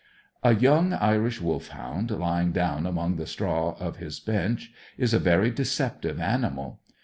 A young Irish Wolfhound, lying down among the straw of his bench, is a very deceptive animal.